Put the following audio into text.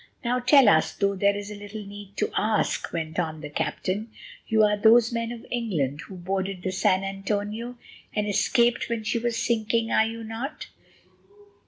"Now tell us, though there is little need to ask," went on the captain, "you are those men of England who boarded the San Antonio and escaped when she was sinking, are you not?"